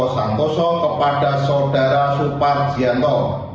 joko santoso kepada saudara supar jianto